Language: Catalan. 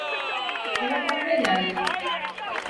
I la pobra iaia?